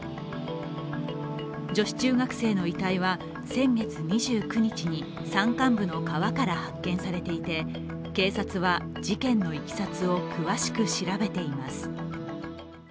女子中学生の遺体は、先月２９日に山間部の川から発見されていて警察は事件のいきさつを詳しく調べています。